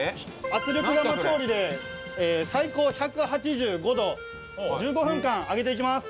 圧力釜調理で最高１８５度１５分間揚げていきます。